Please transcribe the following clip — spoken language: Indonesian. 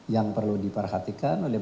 yang perlu diperhatikan oleh